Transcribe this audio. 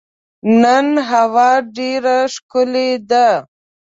نن هوا ډېره ښکلې ده.